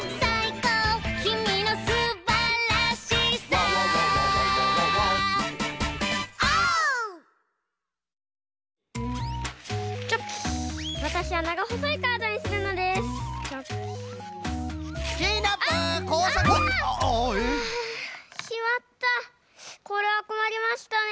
これはこまりましたね。